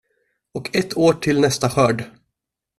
Och ett år till nästa skörd.